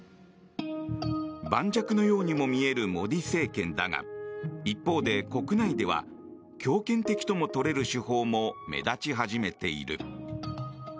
盤石のようにも見えるモディ政権だが一方で国内では強権的とも取れる手法も目立ち始めている。